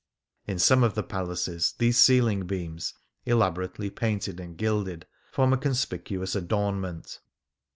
In some of the palaces these ceiling beams, elaborately painted and gilded, form a con spicuous adornment.